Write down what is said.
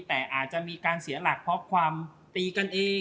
แต่อาจจะมีการเสียหลักเพราะความตีกันเอง